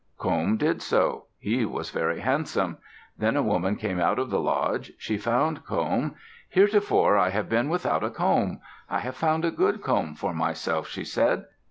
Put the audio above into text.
Comb did so. He was very handsome. Then a woman came out of the lodge. She found Comb. "Heretofore I have been without a comb. I have found a good comb for myself," she said.